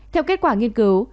theo kết quả nghiên cứu